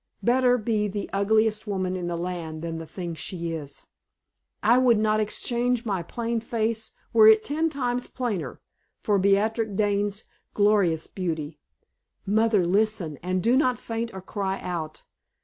Better be the ugliest woman in the land than the thing she is! I would not exchange my plain face, were it ten times plainer, for Beatrix Dane's glorious beauty. Mother, listen, and do not faint or cry out.